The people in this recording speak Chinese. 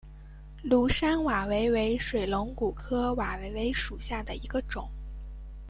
庐山瓦韦为水龙骨科瓦韦属下的一个种。